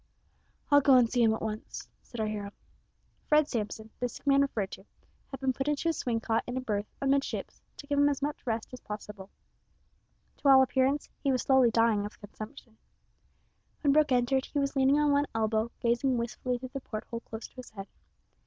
"I'll go and see him at once," said our hero. Fred Samson, the sick man referred to, had been put into a swing cot in a berth amidships to give him as much rest as possible. To all appearance he was slowly dying of consumption. When Brooke entered he was leaning on one elbow, gazing wistfully through the port hole close to his head.